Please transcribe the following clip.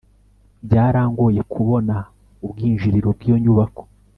byarangoye kubona ubwinjiriro bwiyo nyubako